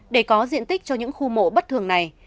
để có diện tích cho những khu mộ bất thường này